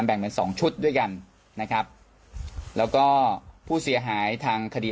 แบ่งเป็นสองชุดด้วยกันนะครับแล้วก็ผู้เสียหายทางคดี